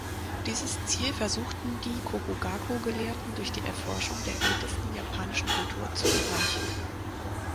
Dieses Ziel versuchten die Kokugaku-Gelehrten durch die Erforschung der ältesten japanischen Kultur zu erreichen.